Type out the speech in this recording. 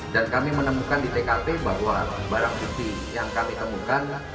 dan kami menemukan di tkp bahwa barang putih yang kami temukan